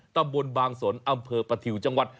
ตำบลบางสนอำเภอประถิวจังหวัด